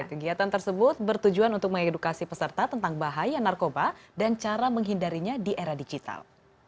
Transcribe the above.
kegiatan tersebut bertujuan untuk mengedukasi peserta tentang bahaya narkoba dan cara menghindarinya di era digital